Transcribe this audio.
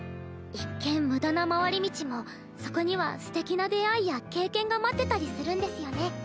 一見無駄な回り道もそこにはすてきな出会いや経験が待ってたりするんですよね。